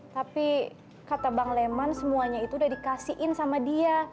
tapi kata bang leman semuanya itu udah dikasihin sama dia